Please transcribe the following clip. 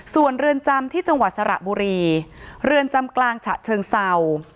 ส่วนเรือนจำที่จังหวัดสระบุรีเรือนจำกลางฉะเชิงเศร้า